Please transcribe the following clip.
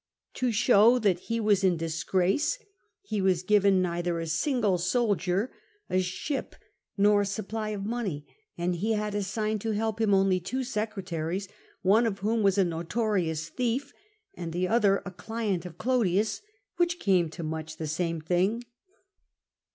To show that he was CATO IN CYPRUS 219 in disgraces he was given neither a single soldier, a ship, nor a supply of money, and he had assigned to help him only two secretaries, one of whom was a notorious thief, and the other a client of Olodius — which came to much the same thing.